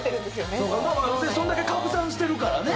それだけ拡散してるからね。